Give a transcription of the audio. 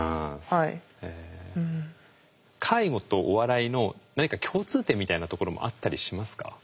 介護とお笑いの何か共通点みたいなところもあったりしますか？